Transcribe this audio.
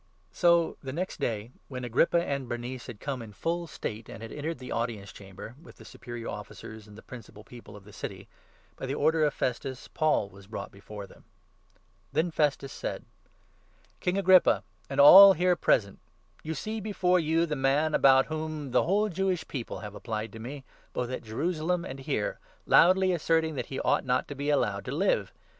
So the next day, when Agrippa and Bernice had come in full 23 state and had entered the Audience Chamber, with the superior officers and the principal people of the city, by the order of Festus Paul was brought before them. Then Festus said : 24 " King Agrippa, and all here present, you see before you the man about whom the whole Jewish people have applied to me, both at Jerusalem and here, loudly asserting that he ought not to be allowed to live.